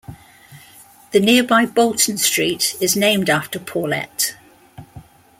The nearby Bolton Street is named after Paulet.